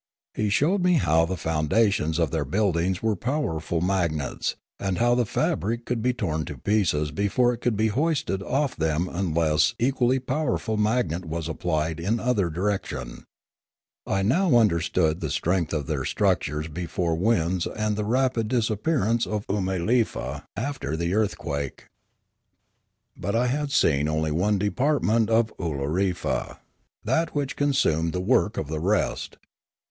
He showed me how the foundations of their buildings were powerful magnets, and how the fabric would be torn to pieces before it could be hoisted off them unless an equally powerful magnet was ap plied in another direction. I now understood the strength of their structures before winds and the Oolorefa 171 rapid disappearance of Oomalefa after the earth quake. But I had seen only one department of Oolorefa, that which consummated the work of the rest.